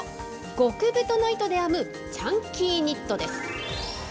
極太の糸で編むチャンキーニットです。